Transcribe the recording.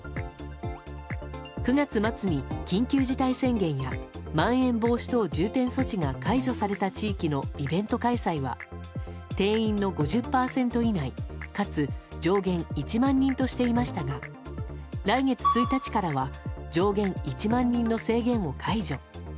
９月末に緊急事態宣言やまん延防止等重点措置が解除された地域のイベント開催は定員の５０％以内かつ上限１万人としていましたが来月１日からは上限１万人の制限を解除。